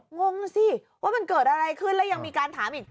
งงสิว่ามันเกิดอะไรขึ้นแล้วยังมีการถามอีก